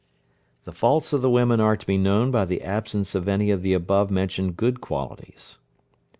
The faults of the women are to be known by the absence of any of the above mentioned good qualities.